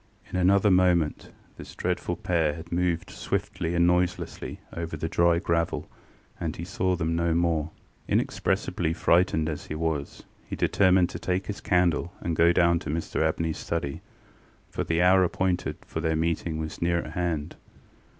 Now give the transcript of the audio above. In another moment this dreadful pair had moved swiftly and noiselessly over the dry gravel, and he saw them no more. Inexpressibly frightened as he was, he determined to take his candle and go down to Mr AbneyŌĆÖs study, for the hour appointed for their meeting was near at hand.